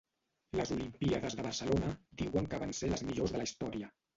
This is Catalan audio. Les olimpíades de Barcelona diuen que van ser les millors de la Història